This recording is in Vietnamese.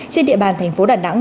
trên địa bàn thành phố đà nẵng